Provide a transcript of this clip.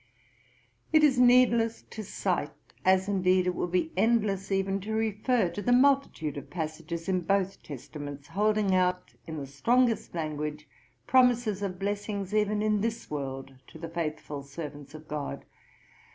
2 Cor. i. 5. It is needless to cite, as indeed it would be endless even to refer to, the multitude of passages in both Testaments holding out, in the strongest language, promises of blessings, even in this world, to the faithful servants of GOD.